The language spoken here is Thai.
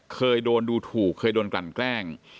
เคยโดนดูถูกเคยโดนกลั่นแกล้ง